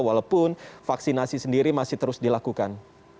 walaupun vaksinasi sendiri masih terus dilakukan